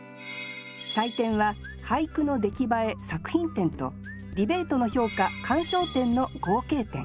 採点は俳句の出来栄え作品点とディベートの評価鑑賞点の合計点。